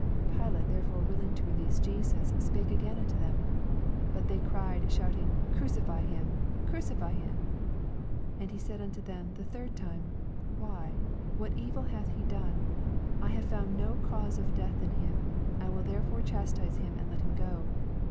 20 Pilate therefore willing to re lease Jesus, spake again to them. , 21 But tiaey cried, saying, Cruoi^ him, crucify him. 22 And he said unto them the third time, Why, what evil hath he done I I have found no cause of death in him : I will therefore chastise him, and let him^ go.